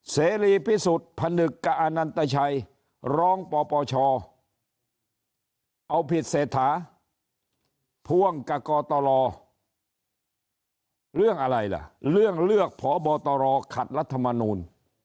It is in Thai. เสรีพิสุทธิ์ผนึกกับอนันตชัยร้องปปชเอาผิดเศรษฐาพ่วงกับกตรเรื่องอะไรล่ะเรื่องเลือกพบตรขัดรัฐมนูล